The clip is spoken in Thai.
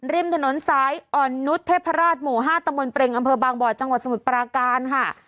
ริมถนนซ้ายอ่อนนุษยเทพราชหมู่๕ตมเปรงอำเภอบางบ่อจังหวัดสมุทรปราการค่ะ